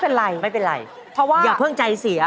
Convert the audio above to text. เพราะว่าเพิ่งพลาดไปนะครับอย่าเพิ่งใจเสีย